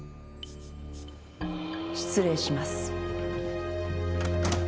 失礼します。